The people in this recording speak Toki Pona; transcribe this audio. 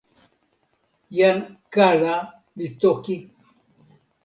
jan kala li toki: